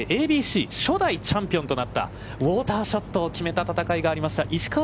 ＡＢＣ初代チャンピオンとなったウオーターショットを決めた戦いがありました石川遼